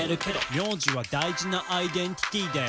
「名字は大事なアイデンティティだよ」